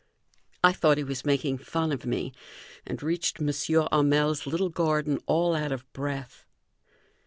I thought he was making fun of me, and reached M. Hamel's little garden all out of breath.